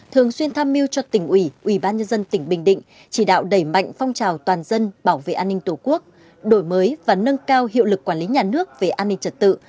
thường xuyên tham mưu cho tỉnh ủy ủy ban nhân dân tỉnh bình định chỉ đạo đẩy mạnh phong trào toàn dân bảo vệ an ninh tổ quốc đổi mới và nâng cao hiệu lực quản lý nhà nước về an ninh trật tự